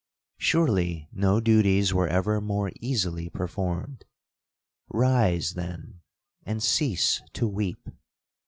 Surely no duties were ever more easily performed—rise, then, and cease to weep.